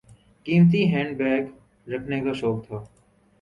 قیمتی handbag رکھنے کا شوق تھا۔